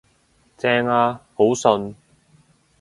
正呀，好順